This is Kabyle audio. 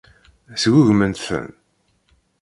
Sgugment-ten.